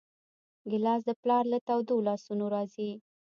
ګیلاس د پلار له تودو لاسونو راځي.